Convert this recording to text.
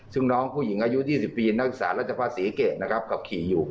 ซึ่งน้องผู้หญิงอายุ๒๐ปีนักศึกษาราชภาษีเกตนะครับขับขี่อยู่